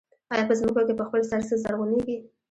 آیا په ځمکو کې په خپل سر څه زرغونېږي